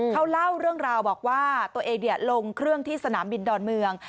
เขาเล่าเรื่องราวบอกว่าตัวเองลงเครื่องที่สนามบินดอนเมือง